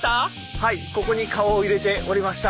はいここに顔を入れておりました。